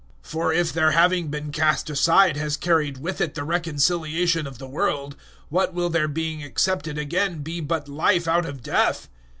011:015 For if their having been cast aside has carried with it the reconciliation of the world, what will their being accepted again be but Life out of death?